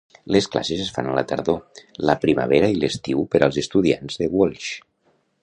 Les classes es fan a la tardor, la primavera i l'estiu per als estudiants de Walsh.